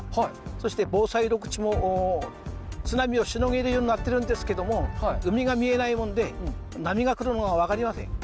そして防災緑地も津波をしのげるようになってるんですけれども、海が見えないもんで波が来るのが分かりません。